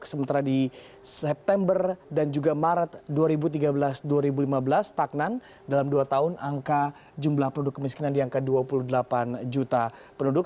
sementara di september dan juga maret dua ribu tiga belas dua ribu lima belas taknan dalam dua tahun angka jumlah penduduk kemiskinan di angka dua puluh delapan juta penduduk